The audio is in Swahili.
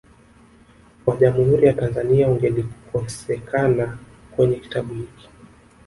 wa Jamhuri ya Tanzania ungelikosekana kwenye kitabu hiki